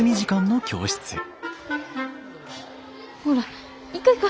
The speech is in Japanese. ほら行こ行こ！